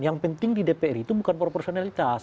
yang penting di dpr itu bukan proporsionalitas